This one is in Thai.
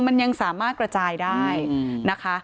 มันยังสามารถกระจายได้นะคะ